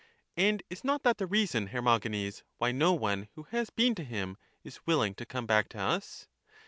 And is not that the reason, Hermogenes, why no one, who has been to him, is willing to come back to us?